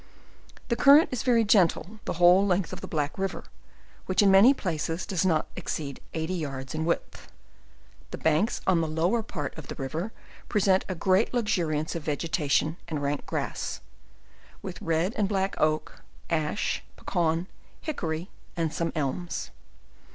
The current is very gentle the whole length of the Black river, which in many places does not exceed eighty yards in width. The banks on the lower part of the river present a great luxuriance ef vegitation and rank grass, with red and black oak, ash, pac cawn, hickory, and some elms.